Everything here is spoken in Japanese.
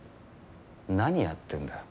何やってんだよ。